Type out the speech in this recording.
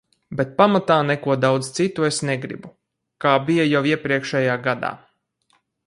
Bet pamatā neko daudz citu es negribu, kā bija jau iepriekšējā gadā.